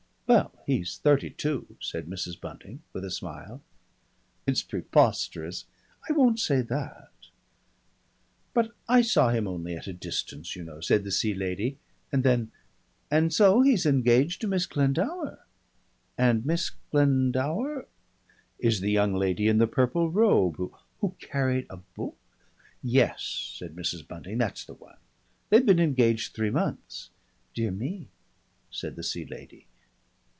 "Well, he's thirty two!" said Mrs. Bunting with a smile. "It's preposterous." "I won't say that." "But I saw him only at a distance, you know," said the Sea Lady; and then, "And so he is engaged to Miss Glendower? And Miss Glendower ?" "Is the young lady in the purple robe who " "Who carried a book?" "Yes," said Mrs. Bunting, "that's the one. They've been engaged three months." "Dear me!" said the Sea Lady.